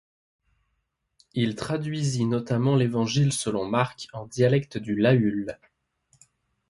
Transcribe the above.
Il traduisit notamment l’Évangile selon Marc en dialecte du Lahul.